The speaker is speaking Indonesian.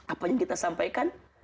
apanya kita sampaikan